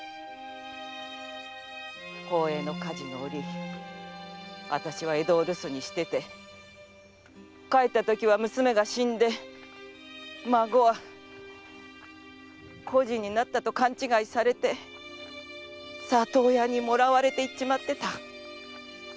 宝永の火事の折わたしは江戸を留守にしていて帰ったときは娘が死んで孫は孤児になったと勘違いされて里親にもらわれていっちまってた。